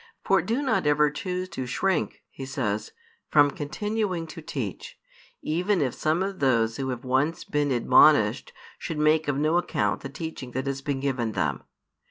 For do not ever choose to shrink, He says, from continuing to teach, even if some of those who have once been admonished should make of no account the teaching that has been given them.